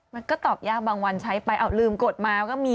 มันก็ตอบยากบางวันใช้ไปเอาลืมกดมาก็มี